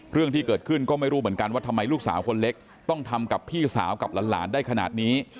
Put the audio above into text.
เรื่องที่เกิดขึ้นก็ไม่รู้เหมือนกันว่าทำไมลูกสาวคนเล็กต้องทำกับพี่สาวกับหลานได้ขนาดนี้